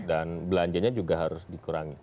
belanjanya juga harus dikurangi